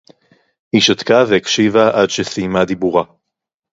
הִיא שָׁתְקָה וְהִקְשִׁיבָה עַד שֶׁסִּייְּמָה דִּיבּוּרָהּ.